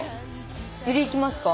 ユリいきますか？